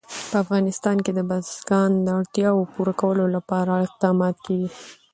په افغانستان کې د بزګان د اړتیاوو پوره کولو لپاره اقدامات کېږي.